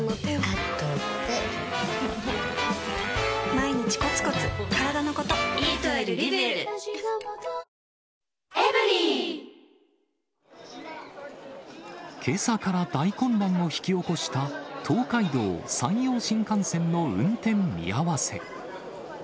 毎日コツコツからだのことけさから大混乱を引き起こした、東海道・山陽新幹線の運転見合わせ。